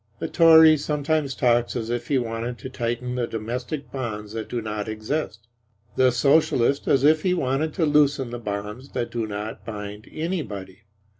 The Tory sometimes talks as if he wanted to tighten the domestic bonds that do not exist; the Socialist as if he wanted to loosen the bonds that do not bind anybody.